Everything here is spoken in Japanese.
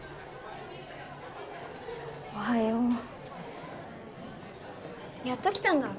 おはよう。やっと来たんだ。